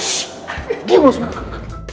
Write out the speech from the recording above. shhh diam langsung